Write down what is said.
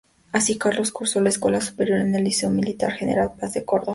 Así, Carlos cursó la escuela superior en el Liceo Militar General Paz de Córdoba.